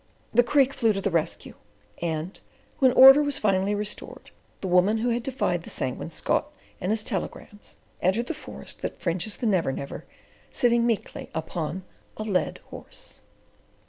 The Creek flew to the rescue, and, when order was finally restored, the woman who had defied the Sanguine Scot and his telegrams, entered the forest that fringes the Never Never, sitting meekly upon a led horse.